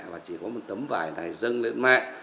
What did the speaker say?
và chỉ có một tấm vải này dâng lên mẹ